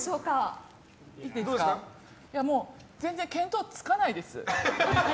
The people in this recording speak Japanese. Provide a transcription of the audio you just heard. もう全然見当つかないです。